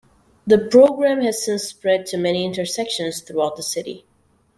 The program has since spread to many intersections throughout the city.